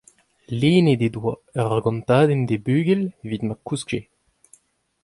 lennet he devoa ur gontadenn d'he bugel evit ma kouskje.